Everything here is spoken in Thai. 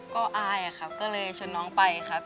ก็อายครับก็เลยชวนน้องไปครับ